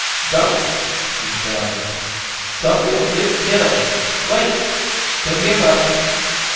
"Don't," he shouted; "somebody'll get killed. Wait they'll give up."